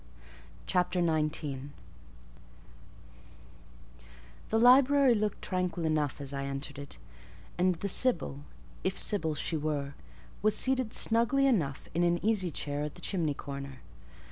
CHAPTER XIX The library looked tranquil enough as I entered it, and the Sibyl—if Sibyl she were—was seated snugly enough in an easy chair at the chimney corner.